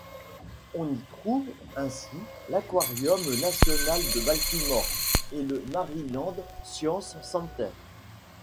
On y trouve ainsi l'aquarium national de Baltimore et le Maryland Science Center.